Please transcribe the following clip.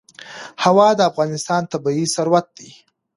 هوا د افغانستان طبعي ثروت دی.